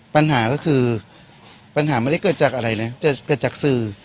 ปัญหาก็คือปัญหาไม่ได้เกิดจากอะไรนะเกิดจากสื่อ